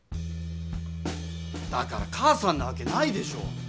だから母さんなわけないでしょ。